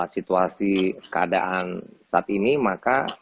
situasi keadaan saat ini maka